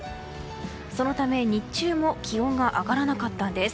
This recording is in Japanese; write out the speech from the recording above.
そのため日中も気温が上がらなかったんです。